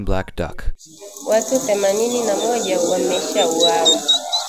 watu themanini na moja wameshauawa